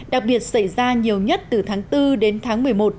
đặc biệt xảy ra nhiều nhất từ tháng bốn đến tháng một mươi một